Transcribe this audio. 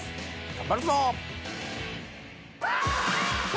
頑張るぞ！